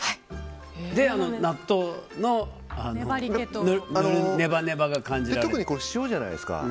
で、納豆のネバネバが特に、塩じゃないですか。